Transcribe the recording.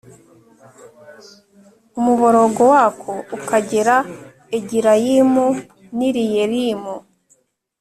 umuborogo wako ukagera Egilayimu n i riyelimu